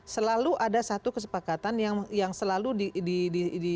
selalu ada satu kesepakatan yang selalu di